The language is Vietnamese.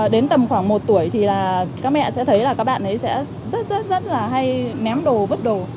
đến tầm khoảng một tuổi thì là các mẹ sẽ thấy là các bạn ấy sẽ rất rất là hay ném đồ vứt đồ